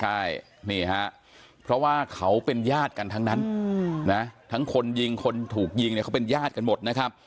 ใช่นี่ฮะเพราะว่าเขาเป็นญาติกันทั้งนั้นนะทั้งคนยิงคนถูกยิงเนี่ยเขาเป็นญาติกันหมดนะครับ